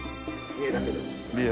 見えだけ。